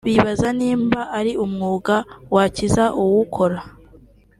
bibaza niba ari umwuga wakiza uwukora